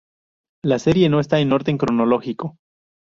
La serie no está en orden cronológico.